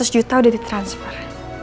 lima ratus juta udah di transfer